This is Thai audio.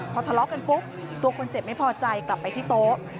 พอทะเลาะกันปุ๊บตัวคนเจ็บไม่พอใจกลับไปที่โต๊ะ